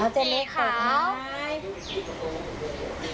เอาเต็มเล็กตกไหม